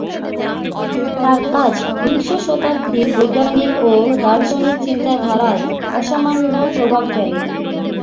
তার কাজ বিংশ শতাব্দীর বৈজ্ঞানিক ও দার্শনিক চিন্তাধারায় অসামান্য প্রভাব ফেলে।